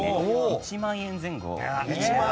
１万円前後。